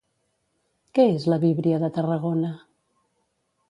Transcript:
Què és la Víbria de Tarragona?